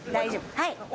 はい。